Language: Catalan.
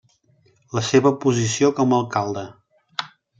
La seva posició com alcalde.